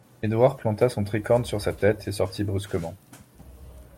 Édouard planta son tricorne sur sa tête et sortit brusquement.